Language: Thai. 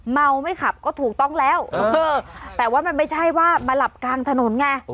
เมาไม่ขับก็ถูกต้องแล้วแต่ว่ามันไม่ใช่ว่ามาหลับกลางถนนไง